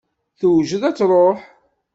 Tewjed ad truḥ.